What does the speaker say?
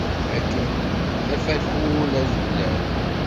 Akken d afakul azulal!